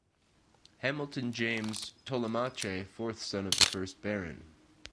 Hamilton James Tollemache, fourth son of the first Baron.